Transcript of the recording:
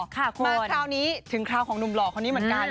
มาคราวนี้ถึงคราวของหนุ่มหล่อคนนี้เหมือนกัน